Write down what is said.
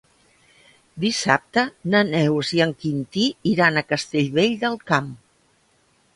Dissabte na Neus i en Quintí iran a Castellvell del Camp.